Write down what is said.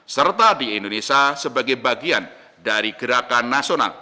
serta di indonesia sebagai bagian dari gerakan nasional